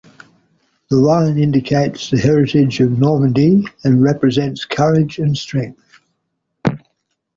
The lion indicates the heritage of Normandy and represents courage and strength.